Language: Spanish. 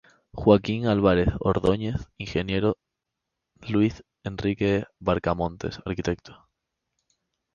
Joaquín Álvarez Ordóñez, Ing. Luis Enrique Bracamontes, Arq.